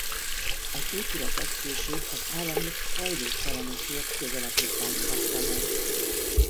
Az épületet később az állami Hajléktalanokért Közalapítvány kapta meg.